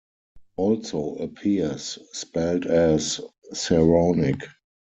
Also appears spelled as ceraunic.